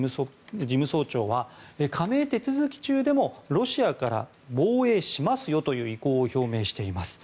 事務総長は加盟手続き中でもロシアから防衛しますよという意向を表明しています。